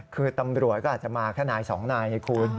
คือตำรวจก็อาจจะมาแค่นายสองนายไงคุณ